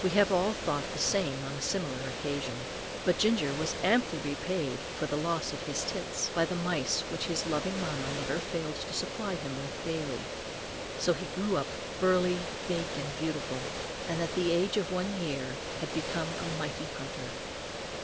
We have all thought the same on a similar occasion. But Ginger was amply repaid for the loss of his tits, by the mice which his loving mamma never failed to supply him with daily. So he grew up burly, big, and beautiful; and at the age of one year had become a mighty hunter.